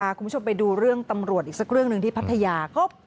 คุณผู้ชมไปดูเรื่องตำรวจอีกสักเรื่องหนึ่งที่พัทยา